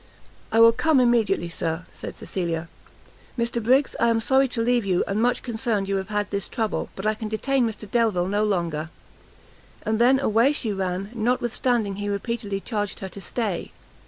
"I will come immediately, Sir," said Cecilia; "Mr Briggs, I am sorry to leave you, and much concerned you have had this trouble; but I can detain Mr Delvile no longer." And then away she ran, notwithstanding he repeatedly charged her to stay.